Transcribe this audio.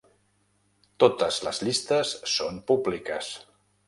Totes les llistes són públiques.